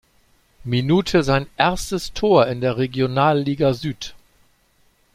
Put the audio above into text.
Minute sein erstes Tor in der Regionalliga Süd.